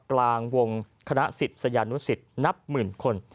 กลางวงศิษย์สยานุศิษย์นับหมื่นคน